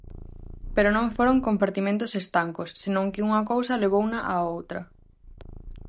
Pero non foron compartimentos estancos, senón que unha cousa levouna á outra.